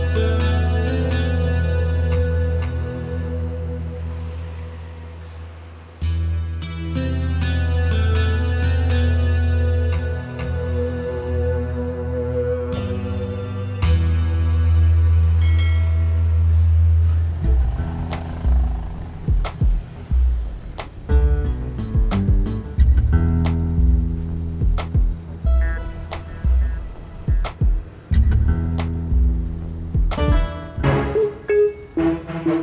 sebelum berhenti mencari penjaga